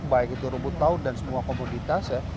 baik itu rumput laut dan semua komoditas ya